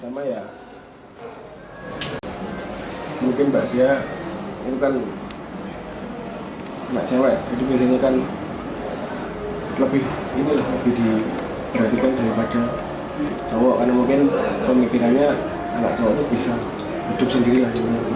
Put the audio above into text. menurut saya anak perempuan itu lebih memperhatikan daripada anak cowok karena mungkin pemikirannya anak cowok itu bisa hidup sendirilah